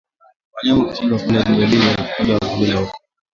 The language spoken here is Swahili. Wanyama kushindwa kula ni dalili ya ugonjwa wa bonde la ufa